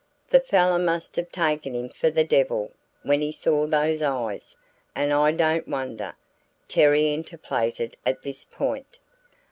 "The fellow must have taken him for the devil when he saw those eyes, and I don't wonder!" Terry interpolated at this point.